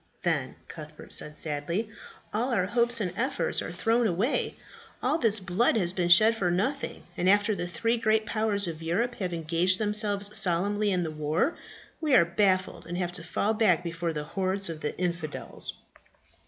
"Then," Cuthbert said sadly, "all our hopes and efforts are thrown away; all this blood has been shed for nothing; and after the three great powers of Europe have engaged themselves solemnly in the war, we are baffled, and have to fall back before the hordes of the infidels."